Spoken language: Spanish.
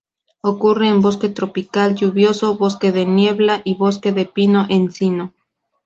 Ocurre en bosque tropical lluvioso, bosque de niebla y bosque de pino-encino.